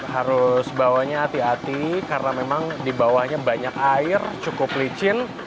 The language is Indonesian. harus bawanya hati hati karena memang dibawanya banyak air cukup licin